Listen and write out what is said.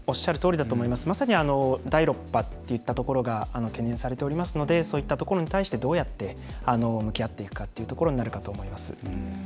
まさに第６波といったところが懸念されていますのでそういったところに対してどうやって向き合っていくかというところになるかと思います。